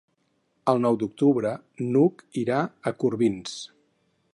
El nou d'octubre n'Hug irà a Corbins.